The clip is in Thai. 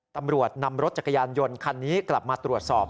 ตำรวจนำรถจักรยานยนต์คันนี้กลับมาตรวจสอบ